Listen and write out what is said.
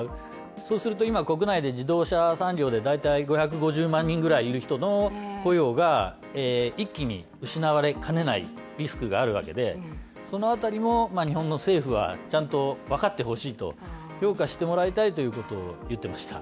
そうすると今国内で自動車産業でだいたい５５０万人ぐらいいる人の雇用が一気に失われかねないリスクがあるわけで、その辺りも日本の政府はちゃんとわかってほしいと評価してもらいたいということを言ってました。